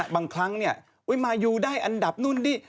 บางครั้งเนี่ยอุ๊ยมายูได้อันดับนู่นนี่